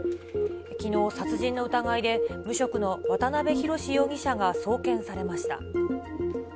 きのう、殺人の疑いで無職の渡辺宏容疑者が送検されました。